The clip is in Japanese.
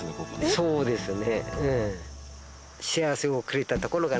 そうですね。